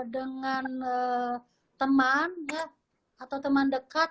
dengan teman atau teman dekat